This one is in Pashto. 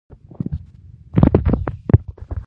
او بیا ورسره هېڅ نۀ کيږي -